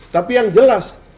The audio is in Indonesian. tapi yang jelas